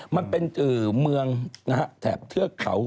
มันเป็นเมืองแถบเทือกเขา